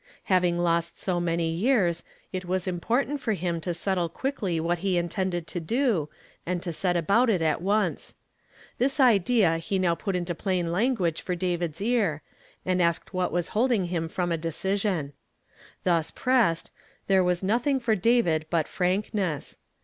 Having lost so many years, it was important for him to settle quickly what ho int<'iided to do, and to set about it at once. This i lea he now put into plain lan L'uaffo for David's ear. and asked what wfis hold ing him from a decision. Thus pressed, there rl "I WILL DECLARE THY NAME." 253 was nothing for David biu frankness.